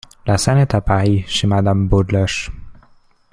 La scène est à Paris, chez Madame Beaudeloche.